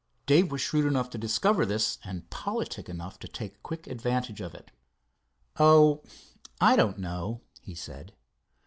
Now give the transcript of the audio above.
Dave was shrewd enough to discover this, and politic enough to take quick advantage of it. "Oh, I don't know," he said.